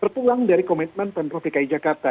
terpulang dari komitmen pemprov dki jakarta